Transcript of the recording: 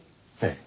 ええ。